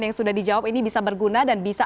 yang sudah dijawab ini bisa berguna dan bisa